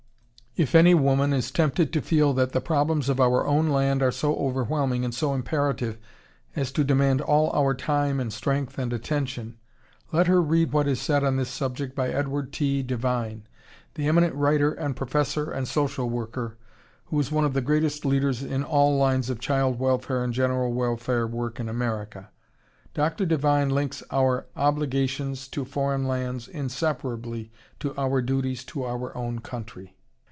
If any woman is tempted to feel that the problems of our own land are so overwhelming and so imperative as to demand all our time and strength and attention, let her read what is said on this subject by Edward T. Devine, the eminent writer and professor and social worker, who is one of the greatest leaders in all lines of child welfare and general welfare work in America. Dr. Devine links our obligations to foreign lands inseparably to our duties to our own country.